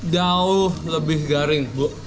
dau lebih garing bu